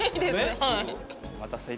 はい。